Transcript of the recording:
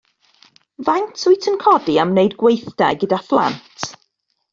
Faint wyt yn codi am wneud gweithdai gyda phlant?